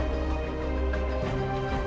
assalamualaikum warahmatullahi wabarakatuh